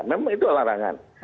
memang itu larangan